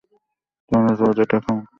তোমরা রোজ এটা খাও?